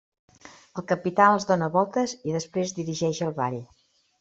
El capità els dóna voltes i després dirigeix el ball.